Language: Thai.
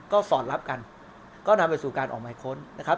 ก็สอดรับกันก็นำไปสู่การออกหมายค้นนะครับ